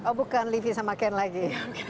oh bukan livie sama ken lagi